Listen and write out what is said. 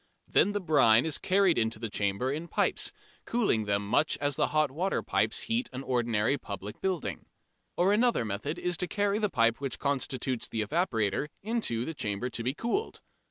Then the brine is carried into the chambers in pipes, cooling them much as the hot water pipes heat an ordinary public building. Or another method is to carry the pipe which constitutes the evaporator into the chamber to be cooled.